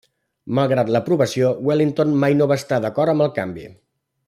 Malgrat l'aprovació, Wellington mai no va estar d'acord amb el canvi.